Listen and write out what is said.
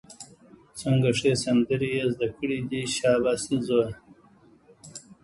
څنګه ښې سندرې یې زده کړې دي، شابسي زویه!